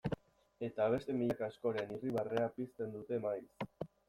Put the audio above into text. Eta beste milaka askoren irribarrea pizten dute maiz.